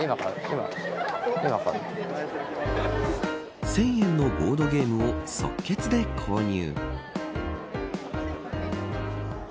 １０００円のボードゲームを即決で購入。